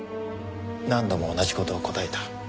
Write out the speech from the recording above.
何度も同じ事を答えた。